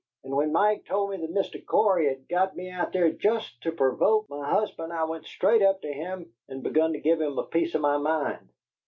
And when Mike told me that Mr. Cory had got me out there jest to provoke my husband I went straight up to him and begun to give him a piece of my mind.